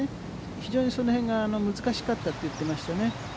非常にその辺が難しかったって言っていましたね。